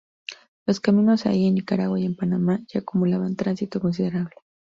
Los caminos ahí, en Nicaragua y en Panamá, ya acumulaban tránsito considerable.